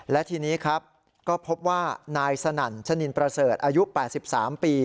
และทีนี้ครับก็พบว่านายสนั่นชะนินประเสริฐอายุ๘๓ปี